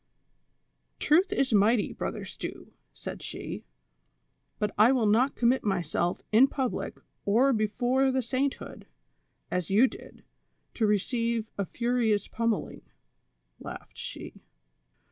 "Truth is mighty. Brother Stew," said she, "but I will not commit myself in public or before the sainthood, as you did, to receive a furious pummeling," laughed she.